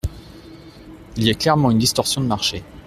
Il y a clairement une distorsion de marché.